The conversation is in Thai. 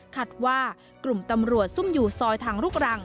ว่ากลุ่มตำรวจซุ่มอยู่ซอยทางลูกรัง